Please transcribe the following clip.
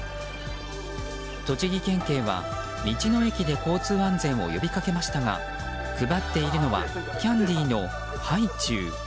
栃木県警は道の駅で交通安全を呼びかけましたが配っているのはキャンディーのハイチュウ。